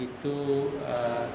ini adalah empat orang